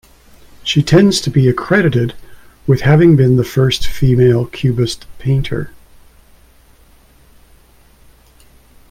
She tends to be accredited with having been the first female cubist painter.